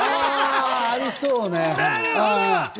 ありそうね。